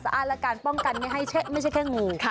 อ้านและการป้องกันไม่ใช่แค่งู